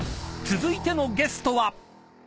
［続いてのゲストは］